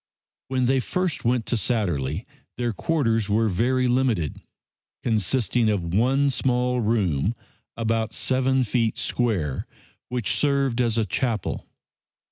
When they first went to Satterlee their quarters were very limited, consisting of one small room, about seven feet square, which served as a chapel.